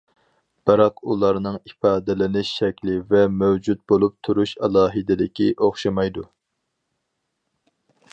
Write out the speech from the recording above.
بىراق، ئۇلارنىڭ ئىپادىلىنىش شەكلى ۋە مەۋجۇت بولۇپ تۇرۇش ئالاھىدىلىكى ئوخشىمايدۇ.